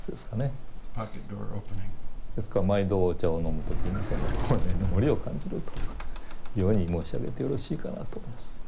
ですから毎度お茶を飲む時にその法然の森を感じるというように申し上げてよろしいかなと思います。